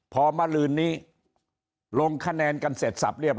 พอมาลืนนี้ลงคะแนนกันเสร็จสับเรียบ